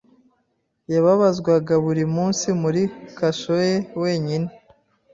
yababazwaga buri munsi muri kasho ye wenyine,